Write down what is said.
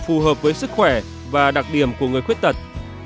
phù hợp với sức khỏe và đặc điểm của người khuyết tật